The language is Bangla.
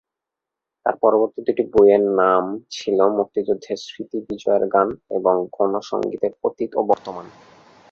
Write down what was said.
তার পরবর্তী দু'টি বইয়ের নাম ছিল "মুক্তিযুদ্ধের স্মৃতি বিজয়ের গান" এবং "গণ সংগীতের অতীত ও বর্তমান"।